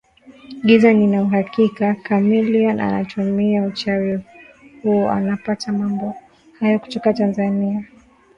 giza Nina uhakika Chameleone anatumia uchawi huwa anapata mambo hayo kutoka Tanzania niliwahi